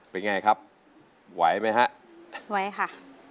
เป็นไงครับไหวไหมฮะไหวค่ะ